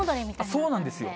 そうなんですよ。